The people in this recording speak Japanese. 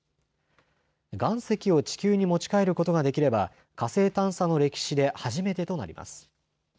岩石を地球に持ち帰ることができれば火星探査の歴史で初めてとなります。